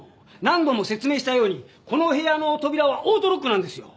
何度も説明したようにこの部屋の扉はオートロックなんですよ。